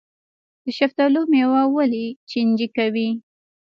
د شفتالو میوه ولې چینجي کوي؟